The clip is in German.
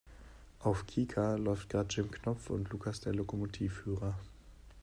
Auf Kika läuft gerade Jim Knopf und Lukas der Lokomotivführer.